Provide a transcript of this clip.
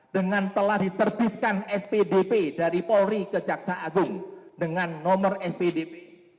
dengan telah diterbitkan spdp dari polri ke jaksa agung dengan nomor spdp